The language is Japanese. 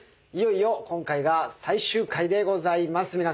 いよいよ今回が最終回でございます。